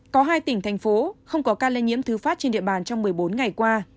có hai tỉnh thành phố không có ca lây nhiễm thứ phát trên địa bàn trong một mươi bốn ngày qua